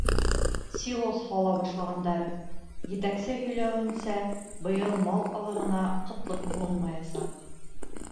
Силос һала башлағандар, етәксе һөйләүенсә, быйыл мал аҙығына ҡытлыҡ булмаясаҡ.